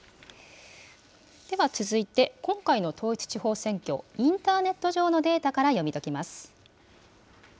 では続いて、今回の統一地方選挙、インターネット上のデータから読み解きます。